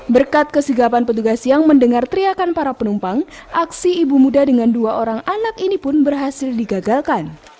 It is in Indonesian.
berkat kesegapan petugas yang mendengar teriakan para penumpang aksi ibu muda dengan dua orang anak ini pun berhasil digagalkan